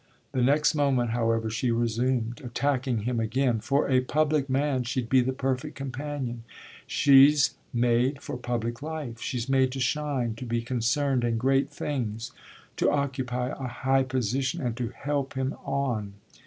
The next moment, however, she resumed, attacking him again: "For a public man she'd be the perfect companion. She's made for public life she's made to shine, to be concerned in great things, to occupy a high position and to help him on.